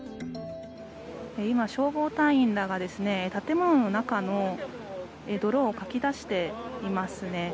今、消防隊員らが建物の中の泥をかき出していますね。